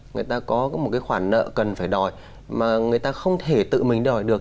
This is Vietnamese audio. người ta có một cái khoản nợ cần phải đòi mà người ta không thể tự mình đòi được